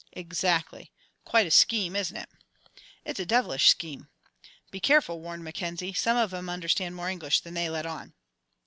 "Exactly. Quite a scheme, isn't it?" "It's a devilish scheme!" "Be careful," warned Mackenzie, "some of 'em understand more English than they let on."